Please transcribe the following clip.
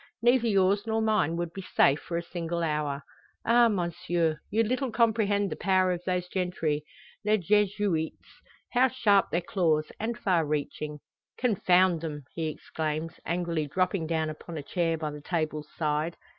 Neither yours nor mine would be safe for a single hour. Ah monsieur! you little comprehend the power of those gentry, les Jesuites how sharp their claws, and far reaching!" "Confound them!" he exclaims, angrily dropping down upon a chair by the table's side.